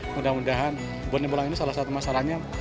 mudah mudahan bone bolang ini salah satu masalahnya